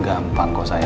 emf awak sih ya